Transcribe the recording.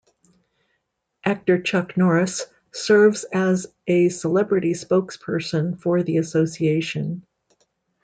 Actor Chuck Norris serves as a celebrity spokesperson for the association.